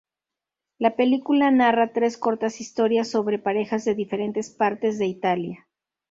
La película narra tres cortas historias sobre parejas de diferentes partes de Italia.